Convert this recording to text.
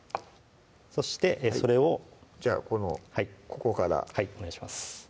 そしてそれをじゃあこのここからはいお願いします